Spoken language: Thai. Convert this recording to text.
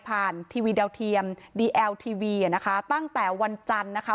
ผ่านทีวีเดาเทียมดีแอลทีวีนะคะตั้งแต่วันจันทร์นะคะ